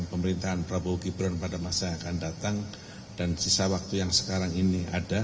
pemerintahan prabowo gibran pada masa yang akan datang dan sisa waktu yang sekarang ini ada